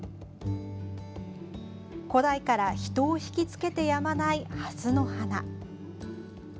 古代から人を引きつけてやまないハスの花。